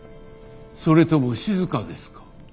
それともしずかですか？